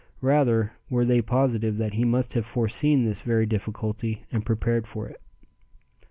Rather were they positive that he must have foreseen this very difficulty, and prepared for it.